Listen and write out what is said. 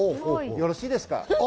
よろしいですか？